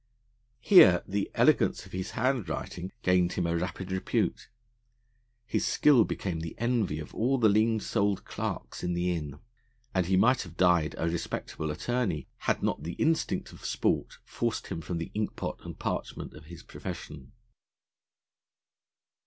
Here the elegance of his handwriting gained him a rapid repute; his skill became the envy of all the lean souled clerks in the Inn, and he might have died a respectable attorney had not the instinct of sport forced him from the inkpot and parchment of his profession.